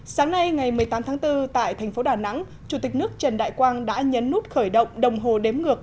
sáng nay ngày một mươi tám tháng bốn tại thành phố đà nẵng chủ tịch nước trần đại quang đã nhấn nút khởi động đồng hồ đếm ngược